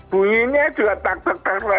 bunyinya juga tak terkena